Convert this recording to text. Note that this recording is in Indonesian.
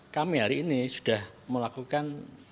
kami hari ini sudah melakukan